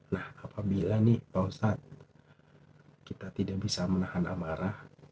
nah apabila nih pak ustadz kita tidak bisa menahan amarah